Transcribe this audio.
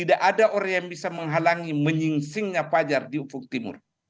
tidak ada orang yang bisa menghalangi menyingsingnya fajar di ufuk timur